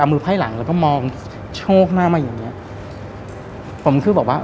เอามือไพ่หลังแล้วก็มองโชคหน้ามาอย่างเงี้ยผมคือบอกว่า